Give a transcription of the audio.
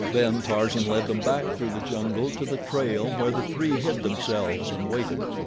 Then Tarzan led them back through the jungle to the trail, where the three hid themselves and waited.